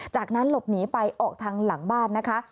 จากนั้นหลบหนีไปออกทางหลังบ้านนะคะ